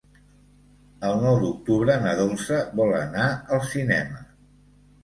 El nou d'octubre na Dolça vol anar al cinema.